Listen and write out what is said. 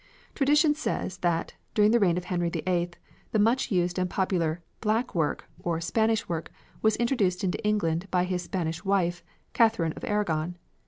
Tradition says that, during the reign of Henry VIII, the much used and popular "black work" or "Spanish work" was introduced into England by his Spanish wife, Catherine of Aragon.